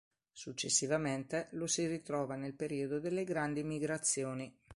Successivamente, lo si ritrova nel periodo delle grandi migrazioni.